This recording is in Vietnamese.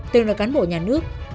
từng là cán bộ nhà nước